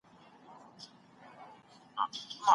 محیط مو د مثبتي انرژۍ لپاره وکاروئ.